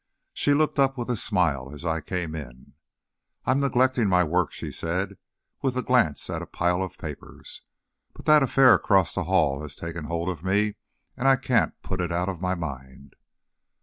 She looked up with a smile as I came in. "I'm neglecting my work," she said, with a glance at a pile of papers, "but that affair across the hall has taken hold of me and I can't put it out of my mind."